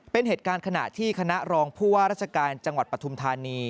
เป็นเหตุการณ์ขณะที่คณะรองผู้ว่าราชการจังหวัดปฐุมธานี